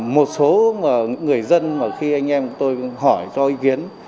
một số người dân mà khi anh em tôi hỏi cho ý kiến